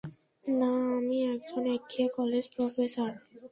না, আমি একজন একঘেয়ে কলেজ প্রফেসর।